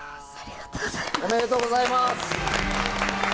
おめでとうございます。